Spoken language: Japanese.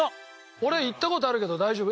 俺行った事あるけど大丈夫？